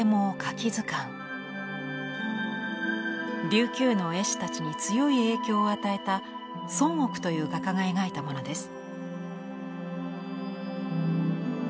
琉球の絵師たちに強い影響を与えた孫億という画家が描いたものです。